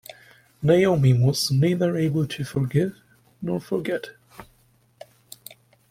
Naomi was neither able to forgive nor forget.